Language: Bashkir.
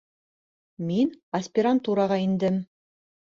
Мин аспирантураға индем